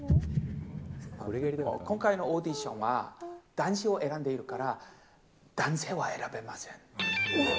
今回のオーディションは男子を選んでいるから、男性は選べません。